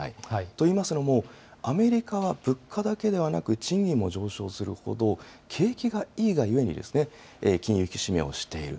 といいますのも、アメリカは物価だけではなく、賃金も上昇するほど、景気がいいがゆえに、金融引き締めをしている。